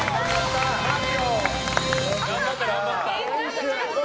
頑張った、頑張った。